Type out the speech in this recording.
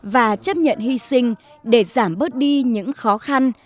và chấp nhận hy sinh để giảm bớt đi những khó khăn